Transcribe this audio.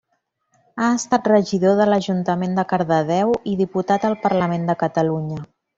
Ha estat regidor de l'Ajuntament de Cardedeu i diputat al Parlament de Catalunya.